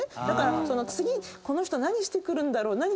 だから次この人何してくるんだろう？